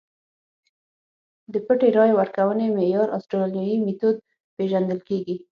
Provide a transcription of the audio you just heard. د پټې رایې ورکونې معیار اسټرالیايي میتود پېژندل کېږي.